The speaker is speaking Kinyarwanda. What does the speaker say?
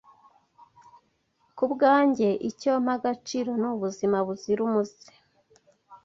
Kubwanjye, icyo mpa agaciro ni ubuzima buzira umuze